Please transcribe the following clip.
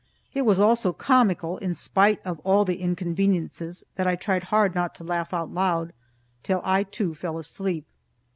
It was all so comical, in spite of all the inconveniences, that I tried hard not to laugh out loud, till I too fell asleep.